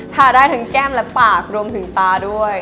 ทาได้ทั้งแก้มและปากรวมถึงตาด้วย